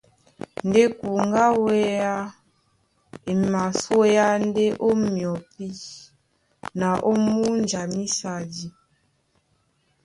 Ndé kuŋgá á wéá e masúéá ndé ó myɔpí na ó múnja mísadi.